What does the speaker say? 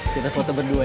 kita foto berdua ya